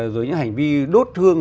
rồi những hành vi đốt thương